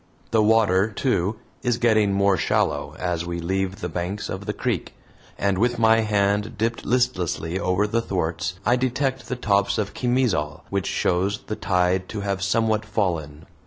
The water, too, is getting more shallow as we leave the banks of the creek, and with my hand dipped listlessly over the thwarts, I detect the tops of chimisal, which shows the tide to have somewhat fallen.